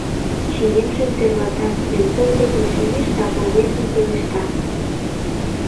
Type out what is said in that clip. Чиемжым тӧрлатат, Венцов дек лишемеш да полмезын пелешта: